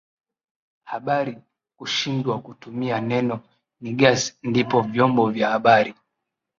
habari kushindwa kutumia neno Niggaz ndipo vyombo vya habari